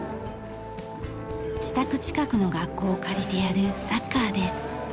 自宅近くの学校を借りてやるサッカーです。